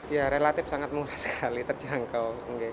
ya relatif sangat murah sekali terjangkau